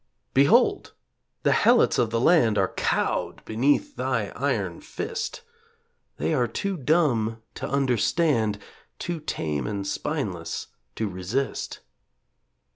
Behold! The helots of the land Are cowed beneath thy iron fist; They are too dumb to understand Too tame and spineless to resist.